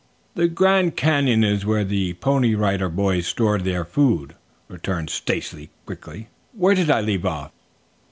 "The Grand Canyon is where the Pony Rider Boys store their food," returned Stacy quickly. "Where did I leave off?"